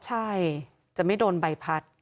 ใช่จะไม่โดนใบพัด